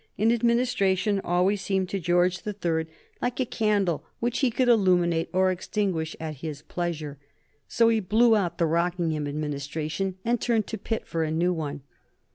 An Administration always seemed to George the Third like a candle which he could illuminate or extinguish at his pleasure. So he blew out the Rockingham Administration and turned to Pitt for a new one.